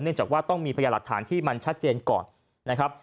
จากว่าต้องมีพยาหลักฐานที่มันชัดเจนก่อนนะครับ